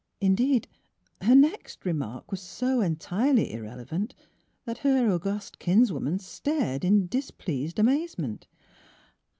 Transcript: Indeed, her next remark was so entirely irrelevant that her august kinswoman stared in displeased amazement.